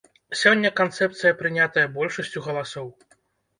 Сёння канцэпцыя прынятая большасцю галасоў.